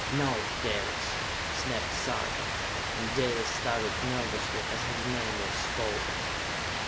"Note, Dalis!" snapped Sarka, and Dalis started nervously as his name was spoken.